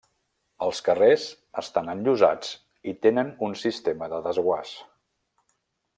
Els carrers estan enllosats i tenen un sistema de desguàs.